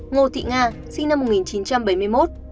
ngô thị nga sinh năm một nghìn chín trăm bảy mươi một